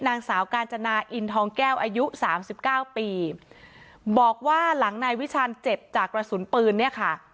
นางสาวกาญจนาอินทองแก้วอายุสามสิบเก้าปีบอกว่าหลังนายวิชาณเจ็บจากกระสุนปืนเนี่ยค่ะ